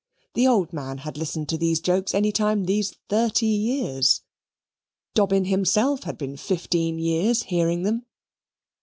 The old man had listened to those jokes any time these thirty years Dobbin himself had been fifteen years hearing them.